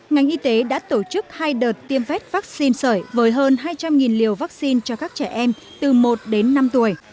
ngành y tế đã tổ chức hai đợt tiêm phép vaccine sởi với hơn hai trăm linh liều vaccine cho các trẻ em từ một đến năm tuổi